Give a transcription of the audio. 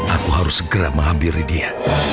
aku harus segera menghampiri dia